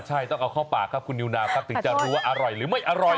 ใช่ต้องเอาเข้าปากครับคุณนิวนาวครับถึงจะรู้ว่าอร่อยหรือไม่อร่อย